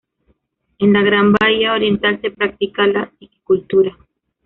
En la gran bahía oriental se practica la piscicultura.